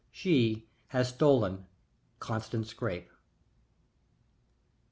_She has stolen Constant Scrappe!